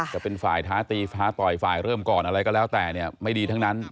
จะเป็นฝ่ายท้าตีท้าต่อยฝ่ายเริ่มก่อนอะไรก็แล้วแต่เนี่ยไม่ดีทั้งนั้น